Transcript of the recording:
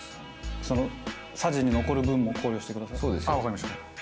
そのさじに残る分も考慮してください。